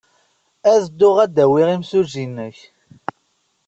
Ad dduɣ ad d-awiɣ imsujji-nnek.